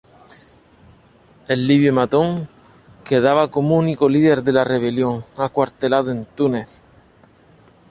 El libio Matón quedaba como único líder de la rebelión, acuartelado en Túnez.